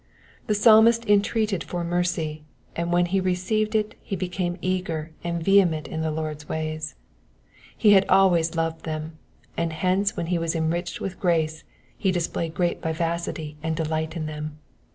The Psalmist entreated for mercy, and when he received it he became eager and vehement in the Lord's ways. He had always loved them, and hence when he was enriched with grace he dis played great vivacity and delight in them.